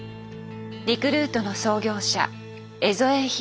リクルートの創業者江副浩正。